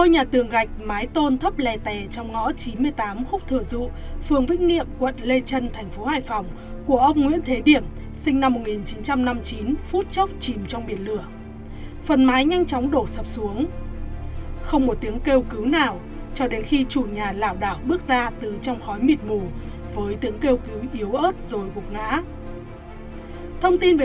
hãy đăng ký kênh để ủng hộ kênh của mình nhé